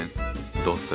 どうする？